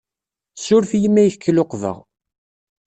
Ssuref-iyi imi ay k-luqbeɣ.